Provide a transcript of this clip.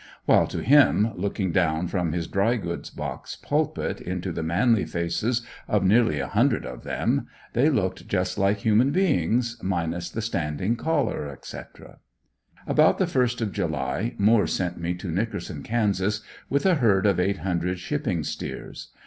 While to him, looking down from his dry goods box pulpit into the manly faces of nearly a hundred of them, they looked just like human beings, minus the standing collar, etc. About the first of July, Moore sent me to Nickerson, Kansas, with a herd of eight hundred shipping steers.